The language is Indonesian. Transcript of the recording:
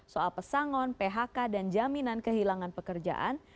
soal pesangon phk dan jaminan kehilangan pekerjaan